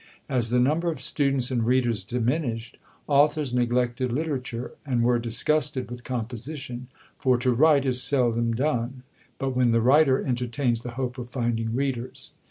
As the number of students and readers diminished, authors neglected literature, and were disgusted with composition; for to write is seldom done, but when the writer entertains the hope of finding readers.